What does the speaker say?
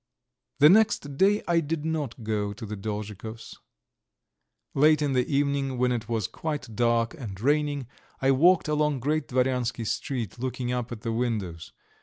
The next day I did not go to the Dolzhikov's. Late in the evening, when it was quite dark and raining, I walked along Great Dvoryansky Street, looking up at the windows.